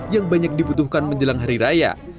yang banyak dibutuhkan menjelang hari raya